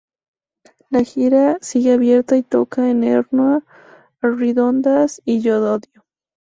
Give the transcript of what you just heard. La gira sigue abierta y tocan en Ermua, Arriondas y Llodio.